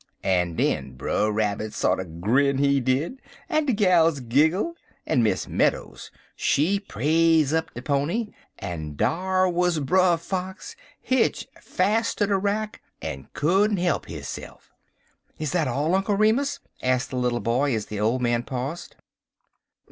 "En den Brer Rabbit sorter grin, he did, en de gals giggle, en Miss Meadows, she praise up de pony, en dar wuz Brer Fox hitch fas' ter de rack, en couldn't he'p hisse'f." "Is that all, Uncle Remus?" asked the little boy as the old man paused.